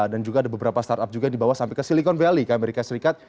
dan juga ada beberapa startup juga dibawa sampai ke silicon valley ke amerika serikat